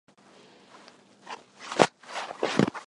他也活跃于爵士乐表演。